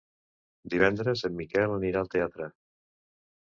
Divendres en Miquel anirà al teatre.